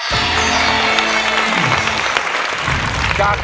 ร้องได้ไข่ล้าง